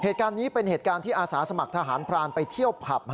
เหตุการณ์นี้เป็นเหตุการณ์ที่อาสาสมัครทหารพรานไปเที่ยวผับ